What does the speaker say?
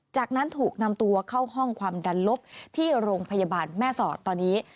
จากนั้นถูกนำตัวเข้าห้องความดันลบที่โรงพยาบาลแม่สอดตอนนี้